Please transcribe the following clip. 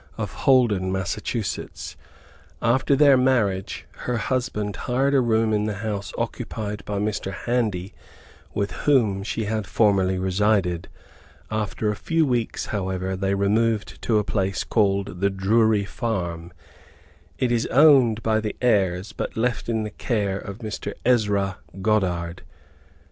of Holden, Mass. After their marriage, her husband hired a room in the house occupied by Mr. Handy with whom she had formerly resided. After a few weeks, however, they removed to a place called the Drury farm. It is owned by the heirs, but left in the care of Mr. Ezra Goddard.